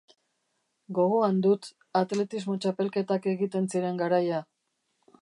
Gogoan dut atletismo txapelketak egiten ziren garaia.